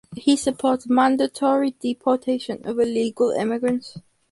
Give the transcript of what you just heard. He supports mandatory deportation of illegal immigrants.